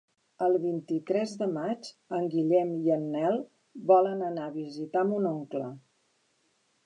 El vint-i-tres de maig en Guillem i en Nel volen anar a visitar mon oncle.